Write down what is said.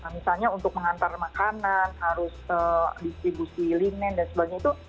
misalnya untuk mengantar makanan harus distribusi linen dan sebagainya itu